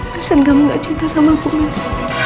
alasan kamu gak cinta sama kumas